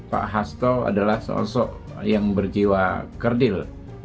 pak hasto adalah sosok yang berjiwa kerdil